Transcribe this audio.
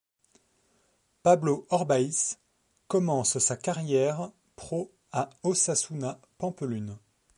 Pablo Orbaiz commence sa carrière pro à Osasuna Pampelune.